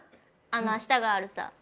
『明日があるさ』。